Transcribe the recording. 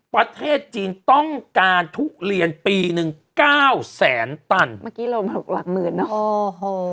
ประเทศจีนต้องการทุเรียนปีหนึ่งเก้าแสนตันเมื่อกี้ลมหกหลักหมื่นเนอะโอ้โห